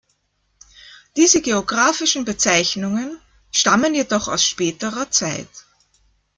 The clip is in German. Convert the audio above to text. Diese geographischen Bezeichnungen stammen jedoch aus späterer Zeit.